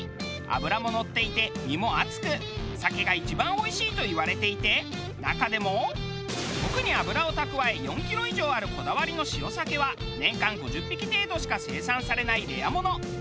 脂も乗っていて身も厚く鮭が一番おいしいといわれていて中でも特に脂を蓄え４キロ以上あるこだわりの塩鮭は年間５０匹程度しか生産されないレアもの。